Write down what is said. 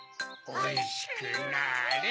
おいしくなれ。